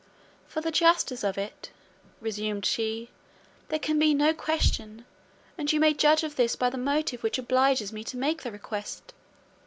"For the justice of it," resumed she, "there can be no question, and you may judge of this by the motive which obliges me to make the request.